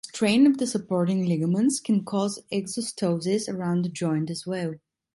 Strain of the supporting ligaments can cause exostosis around the joint as well.